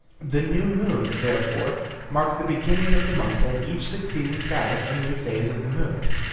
The new moon, therefore, marked the beginning of the month and each succeeding Sabbath a new phase of the moon.